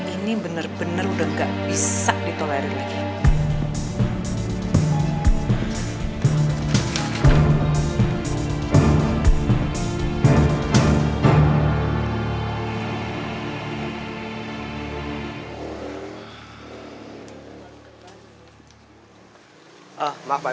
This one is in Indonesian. ini benar benar sudah tidak bisa ditolerir lagi